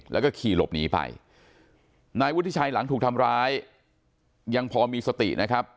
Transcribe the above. แล้วก็ขี่หลบหนีไปนายวุฒิชัยหลังถูกทำร้ายยังพอมีสตินะครับ